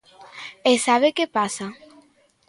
¿E sabe que pasa?